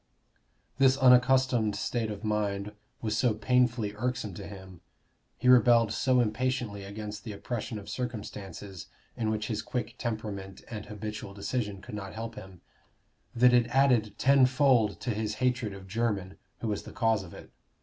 This unaccustomed state of mind was so painfully irksome to him he rebelled so impatiently against the oppression of circumstances in which his quick temperament and habitual decision could not help him that it added tenfold to his hatred of Jermyn, who was the cause of it.